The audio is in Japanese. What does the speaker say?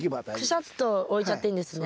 くしゃっと置いちゃっていいんですね。